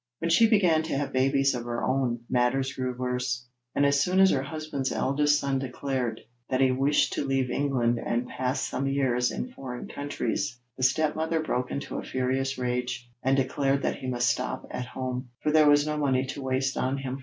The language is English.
When she began to have babies of her own, matters grew worse, and as soon as her husband's eldest son declared that he wished to leave England and pass some years in foreign countries, the stepmother broke into a furious rage, and declared that he must stop at home, for there was no money to waste on him.